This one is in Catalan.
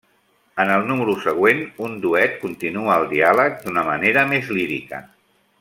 En el número següent, un duet, continua el diàleg d'una manera més lírica.